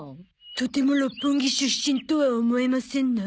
とても六本木出身とは思えませんな。